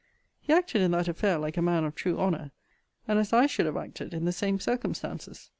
He acted in that affair like a man of true honour, and as I should have acted in the same circumstances.